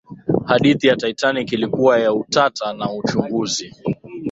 hadithi ya titanic ilikuwa ya utata na uchunguzi